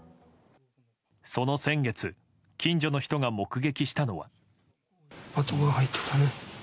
その先月近所の人が目撃したのは。